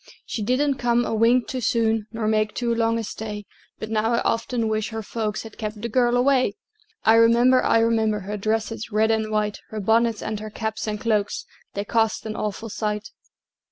She didn't come a wink too soon, Nor make too long a stay; But now I often wish her folks Had kept the girl away! I remember, I remember, Her dresses, red and white, Her bonnets and her caps and cloaks, They cost an awful sight!